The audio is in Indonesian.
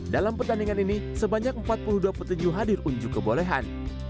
dalam pertandingan ini sebanyak empat puluh dua petinju hadir unjuk kebolehan